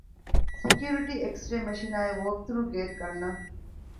ސެކިޔުރިޓީ އެކްސްރޭ މެޝިނާއި ވޯކްތުރޫ ގޭޓް ގަންނަން